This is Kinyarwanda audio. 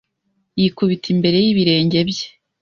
Yikubita imbere y'ibirenge bye